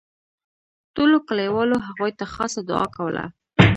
ټولو کلیوالو هغوی ته خاصه دوعا کوله.